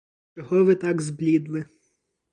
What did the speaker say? Чого ви так зблідли?